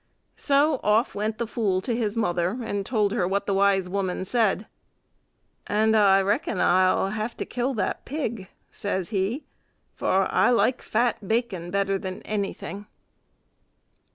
So off went the fool to his mother, and told her what the wise woman said. "And I reckon I'll have to kill that pig," says he, "for I like fat bacon better than anything."